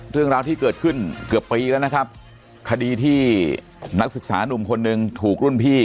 เรื่องราวที่เกิดขึ้นเกือบปีแล้วนะครับคดีที่นักศึกษานุ่มคนหนึ่งถูกรุ่นพี่